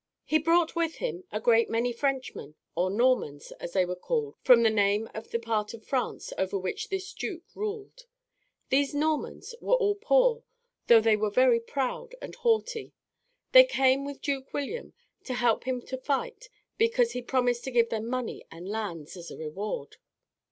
He brought with him a great many Frenchmen, or Normans, as they were called from the name of the part of France over which this duke ruled. These Normans were all poor though they were very proud and haughty. They came with Duke William to help him to fight because he promised to give them money and lands as a reward.